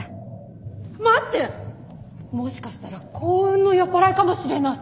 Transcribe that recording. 待ってもしかしたら幸運の酔っ払いかもしれない。